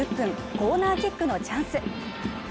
コーナーキックのチャンス